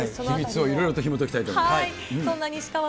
秘密をいろいろひもときたいと思います。